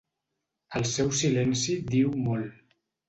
El seu silenci diu molt.